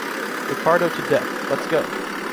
Ricardo to deck, let’s go!